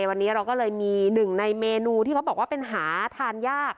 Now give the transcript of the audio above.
วันนี้เราก็เลยมีหนึ่งในเมนูที่เขาบอกว่าเป็นหาทานยาก